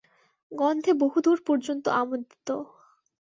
গন্ধে বহুদূর পর্যন্ত আমোদিত।